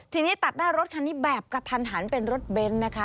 ทีนี้ตัดหน้ารถคันนี้แบบกระทันหันเป็นรถเบนท์นะคะ